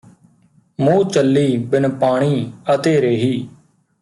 ਮੋਅ ਚੱਲੀ ਬਿਨ ਪਾਣੀ ਅਤੇ ਰੇਹੀ